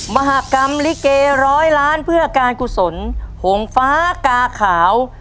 มหากรรมลิเกร้อยล้านเพื่อการกุศลหงฟ้ากาขาว